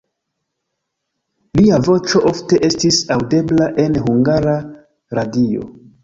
Lia voĉo ofte estis aŭdebla en Hungara Radio.